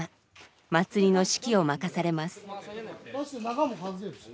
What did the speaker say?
祭りの指揮を任されます。